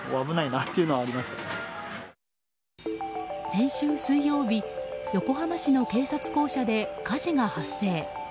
先週水曜日横浜市の警察公舎で火事が発生。